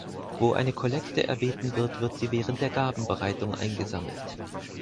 Wo eine Kollekte erbeten wird, wird sie während der Gabenbereitung eingesammelt.